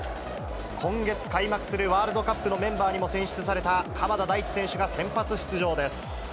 今月開幕するワールドカップのメンバーにも選出された鎌田大地選手が先発出場です。